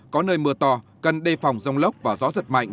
có nơi mưa to cần đề phòng rông lốc và gió giật mạnh